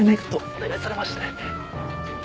お願いされまして。